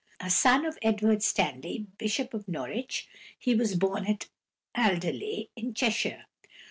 A son of Edward Stanley, Bishop of Norwich, he was born at Alderley, in Cheshire.